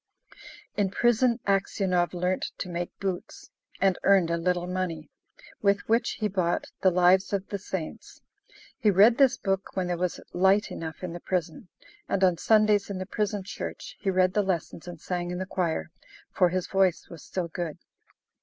In prison Aksionov learnt to make boots, and earned a little money, with which he bought The Lives of the Saints. He read this book when there was light enough in the prison; and on Sundays in the prison church he read the lessons and sang in the choir; for his voice was still good.